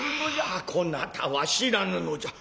ああこなたは知らぬのじゃ。